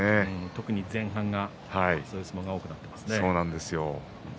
特に前半はこういう相撲が多くなっていますね。